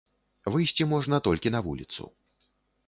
Выйсці можна толькі на вуліцу.